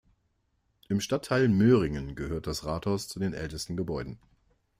Im Stadtteil Möhringen gehört das Rathaus zu den ältesten Gebäuden.